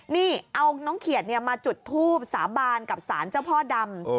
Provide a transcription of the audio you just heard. นี่เอาน้องเขียดมาจุดทูบสาบานกับสารเจ้าพ่อดำ